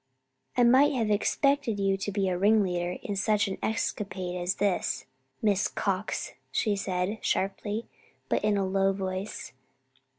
"I might have expected you to be a ringleader in such an escapade as this, Miss Cox," she said, sharply, but in a low voice.